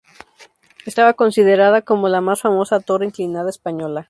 Estaba considerada como la más famosa torre inclinada española.